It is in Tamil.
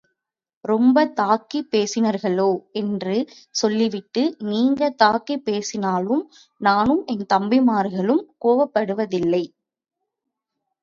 ரொம்பத் தாக்கிப் பேசினீர்களோ? என்று சொல்லிவிட்டு, நீங்க தாக்கிப் பேசினாலும் நானும் என் தம்பிமார்களும் கோபப்படுவதில்லை.